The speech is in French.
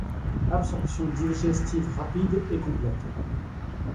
Absorption digestive rapide et complète.